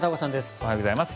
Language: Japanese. おはようございます。